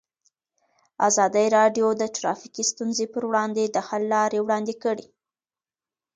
ازادي راډیو د ټرافیکي ستونزې پر وړاندې د حل لارې وړاندې کړي.